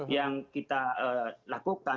yang kita lakukan